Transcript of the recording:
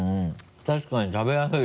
確かに食べやすい。